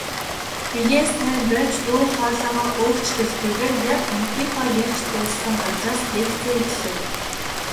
Биеэ сайн барьж, дуу хоолойгоо өөрчлөлгүйгээр яг нөхрийнхөө ярьж дууссан газраас лекцээ эхлэв.